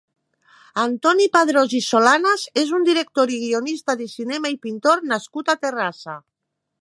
Antoni Padrós i Solanas és un director i guionista de cinema i pintor nascut a Terrassa.